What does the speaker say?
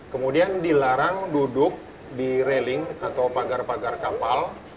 kemudian dilarang duduk di railing atau pagar pagar kapal